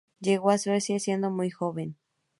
Llegó a Suecia siendo muy joven.